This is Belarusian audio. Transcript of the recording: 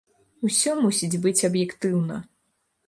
Усё мусіць быць аб'ектыўна.